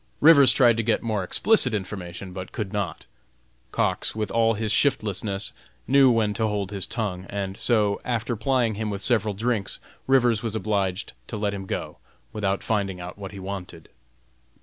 Rivers tried to get more explicit information, but could not. Cox, with all his shiftlessness, knew when to hold his tongue; and so, after plying him with several drinks, Rivers was obliged to let him go, without finding out what he wanted.